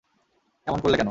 এমন করলে কেন?